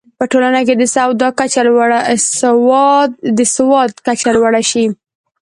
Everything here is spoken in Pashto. په ټولنه کې د سواد کچه لوړه شي.